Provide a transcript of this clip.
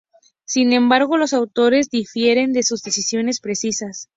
Sin embargo, los autores difieren de sus definiciones precisas.